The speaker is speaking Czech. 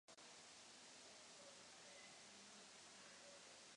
Saul se velmi trápil bolestmi.